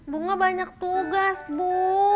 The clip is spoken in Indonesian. bunga banyak tugas bu